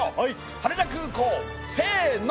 羽田空港せの！